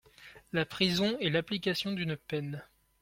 La prison est l’application d’une peine.